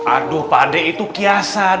aduh pade itu kiasan